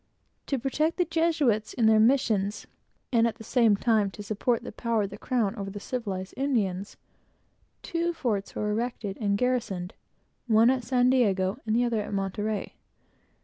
To protect the Jesuits in their missions, and at the same time to support the power of the crown over the civilized Indians, two forts were erected and garrisoned, one at San Diego, and the other at Monterey.